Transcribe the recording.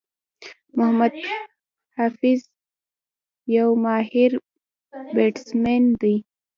محمد حفيظ یو ماهر بيټسمېن دئ.